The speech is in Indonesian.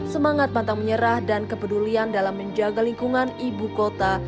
semangat pantang menyerah dan kepedulian dalam menjaga lingkungan ibu kota